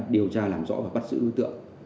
điều tra nằm rõ và bắt giữ đối tượng